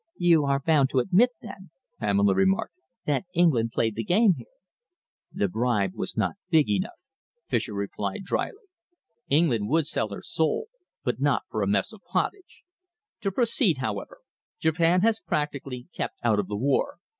"You are bound to admit, then," Pamela remarked, "that England played the game here." "The bribe was not big enough," Fischer replied drily. "England would sell her soul, but not for a mess of pottage. To proceed, however, Japan has practically kept out of the war.